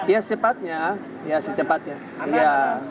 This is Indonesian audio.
ya secepatnya ya secepatnya